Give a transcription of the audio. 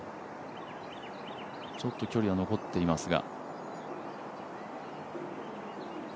ちょっと距離は残っていますが。